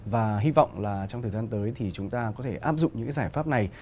và hy vọng là trong thời gian tới thì chúng ta có thể áp dụng những cái giải pháp này